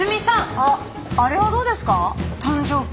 あっあれはどうですか？